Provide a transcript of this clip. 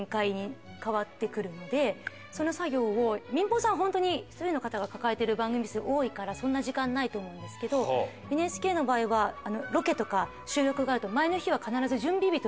その作業を民放さんはホントに１人の方が抱えてる番組数多いからそんな時間ないと思うんですけどＮＨＫの場合はロケとか収録があると。